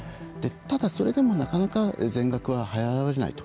ただそれでもなかなか全額は払われないと。